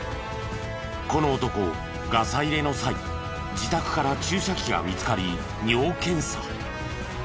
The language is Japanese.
この男ガサ入れの際自宅から注射器が見つかり尿検査。